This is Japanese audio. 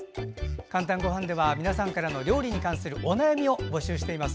「かんたんごはん」では皆さんから料理に関するお悩みを募集しています。